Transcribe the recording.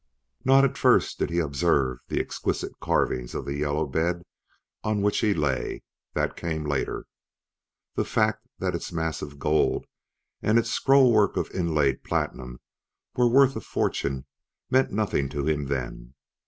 Not at first did he observe the exquisite carving of the yellow bed on which he lay; that came later. The fact that its massive gold and its scrollwork of inlaid platinum were worth a fortune meant nothing to him then.